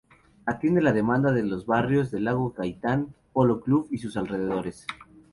Atiende la demanda de los barrios Lago Gaitán, Polo Club y sus alrededores.